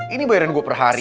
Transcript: ini bayaran gue per hari